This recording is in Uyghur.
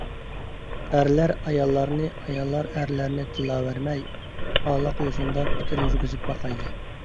ئەرلەر ئاياللارنى، ئاياللار ئەرلەرنى تىللاۋەرمەي، ئاڭلىق يوسۇندا پىكىر يۈرگۈزۈپ باقايلى.